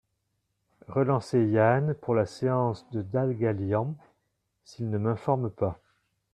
Relancer Yann pour la séance de Dalgalian s’il ne m’informe pas.